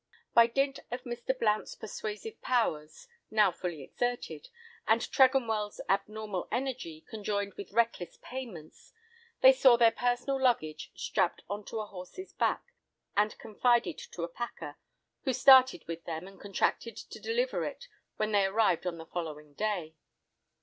By dint of Mr. Blount's persuasive powers, now fully exerted, and Tregonwell's abnormal energy, conjoined with reckless payments, they saw their personal luggage strapped on to a horse's back, and confided to a packer, who started with them, and contracted to deliver it when they arrived on the following day.